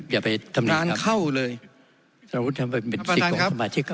อย่าไปทำงานเข้าเลยสมมุติเป็นสิทธิ์ของสมาชิกครับ